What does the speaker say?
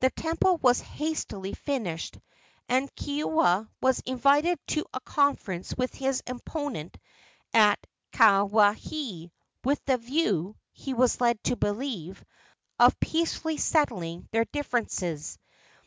The temple was hastily finished, and Keoua was invited to a conference with his opponent at Kawaihae, with the view, he was led to believe, of peacefully settling their differences.